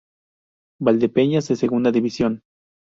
Valdepeñas de Segunda División.